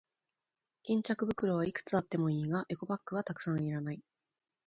巾着袋はいくつあってもいいが、エコバッグはたくさんはいらない。